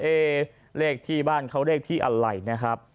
เลขที่บ้านเขาเลขที่อะไรนะครับ